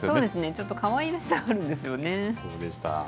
ちょっとかわいらしさがあるんでそうでした。